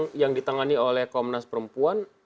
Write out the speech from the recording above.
mbak yuni yang ditangani oleh komnas perempuan